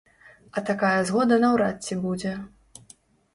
А такая згода наўрад ці будзе.